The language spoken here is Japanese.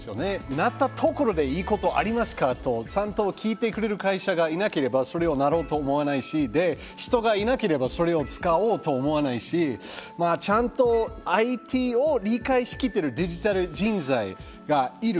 なったところでいいことありますかとちゃんと聞いてくれる会社がいなければそれを、なろうと思わないしで、人がいなければそれを使おうと思わないしちゃんと、ＩＴを理解しきってるデジタル人材がいる。